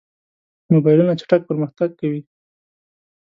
موبایلونه چټک پرمختګ کوي.